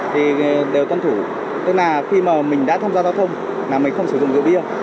thì đều tuân thủ tức là khi mà mình đã tham gia giao thông là mình không sử dụng rượu bia